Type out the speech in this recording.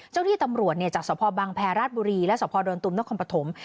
ที่ตำรวจจากสพบังแพรราชบุรีและสพดอนตุมนครปฐม